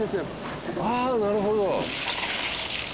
ああなるほど。